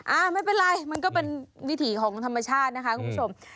อ่าไม่เป็นไรมันก็เป็นวิถีของธรรมชาตินะคะคุณผู้ชม